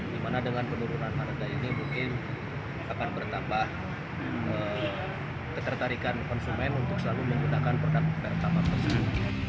dimana dengan penurunan harga ini mungkin akan bertambah ketertarikan konsumen untuk selalu menggunakan produk pertama tersebut